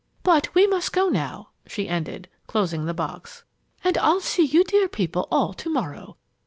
But we must go now," she ended, closing the box. "And I'll see you dear people all to morrow.